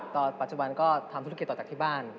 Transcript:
ปัจจุบันก็ทำธุรกิจต่อจากที่บ้าน